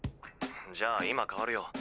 ☎じゃあ今代わるよ。